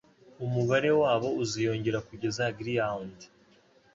umubare wabo uziyongera kugeza Greyhound